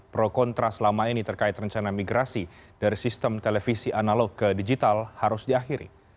pro kontra selama ini terkait rencana migrasi dari sistem televisi analog ke digital harus diakhiri